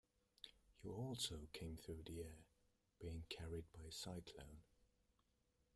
You also came through the air, being carried by a cyclone.